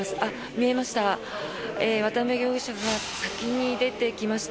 見えました。